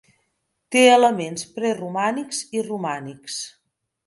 Té elements preromànics i romànics.